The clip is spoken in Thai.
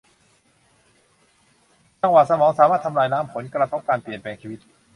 จังหวะสมองสามารถทำลายล้างผลกระทบการเปลี่ยนแปลงชีวิต